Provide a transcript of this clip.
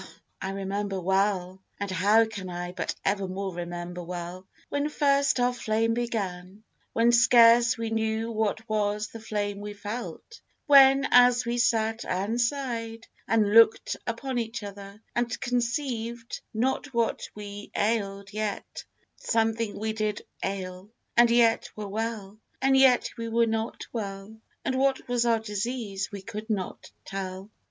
I remember well (and how can I But evermore remember well) when first Our flame began, when scarce we knew what was The flame we felt; when as we sat and sigh'd And look'd upon each other, and conceived Not what we ail'd yet something we did ail; And yet were well, and yet we were not well, And what was our disease we could not tell.